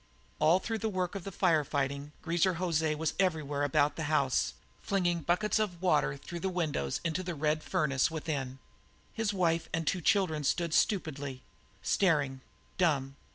All through the work of fire fighting Greaser José was everywhere about the house, flinging buckets of water through the windows into the red furnace within; his wife and the two children stood stupidly, staring, dumb.